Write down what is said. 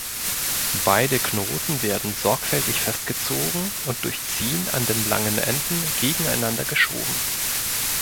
Beide Knoten werden sorgfältig festgezogen und durch Ziehen an den langen Enden gegeneinander geschoben.